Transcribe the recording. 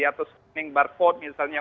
atau streaming barcode misalnya